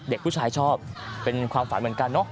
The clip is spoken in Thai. เด็กผู้ชายชอบเป็นความฝันเหมือนกันเนอะ